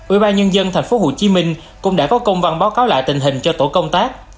ubnd tp hcm cũng đã có công văn báo cáo lại tình hình cho tổ công tác